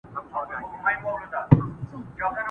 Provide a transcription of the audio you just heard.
یوه شپه دي پر مزار باندي بلېږي.!